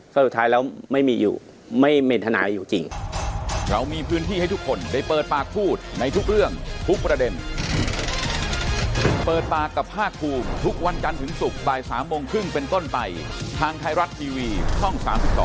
ก็สุดท้ายแล้วไม่มีอยู่ไม่เมนธนายอยู่จริง